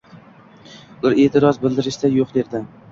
Ular e’tiroz bildirishsa, yo‘q derdi.